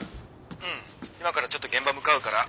うん今からちょっと現場向かうから。